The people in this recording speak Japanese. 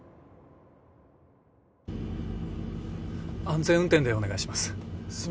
安全運転でお願いします